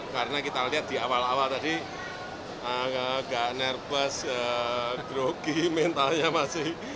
karena kita lihat di awal awal tadi agak nervous grogi mentalnya masih